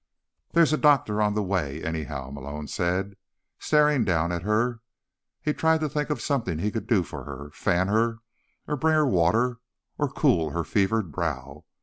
"There's a doctor on the way, anyhow," Malone said, staring down at her. He tried to think of something he could do for her—fan her, or bring her water, or cool her fevered brow.